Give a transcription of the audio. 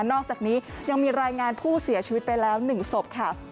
อกจากนี้ยังมีรายงานผู้เสียชีวิตไปแล้ว๑ศพค่ะ